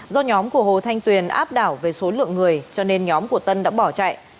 do nhóm của hồ thanh tuyền áp đảo về số lượng người cho nên nhóm của tân đã bỏ chạy